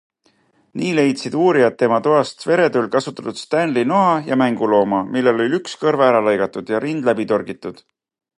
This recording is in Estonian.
Nii leidsid uurijad tema toast veretööl kasutatud Stanley noa ja mängulooma, millel oli üks kõrv ära lõigatud ja rind läbi torgitud.